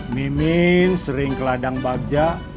mimin sering ke ladang bagja